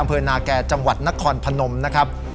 อำเภอนาแก่จังหวัดนครพนมนะครับ